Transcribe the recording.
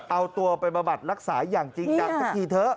เอาตัวไปบำบัดรักษาอย่างจริงจังสักทีเถอะ